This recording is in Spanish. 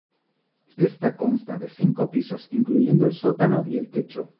Ésta consta de cinco pisos, incluyendo el sótano y el techo.